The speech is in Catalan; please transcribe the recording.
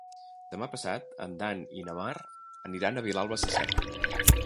Demà passat en Dan i na Mar aniran a Vilalba Sasserra.